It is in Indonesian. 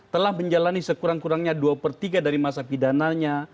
telah menjalani sekurang kurangnya dua per tiga dari masa pidananya